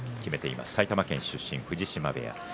埼玉県出身の藤島部屋です。